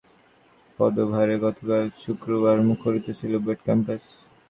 কয়েক হাজার বুয়েটে পড়ুয়ার পদভারে গতকাল শুক্রবার মুখরিত ছিল বুয়েট ক্যাম্পাস।